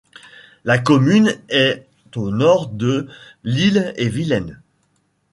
La commune est au nord de l'Ille-et-Vilaine.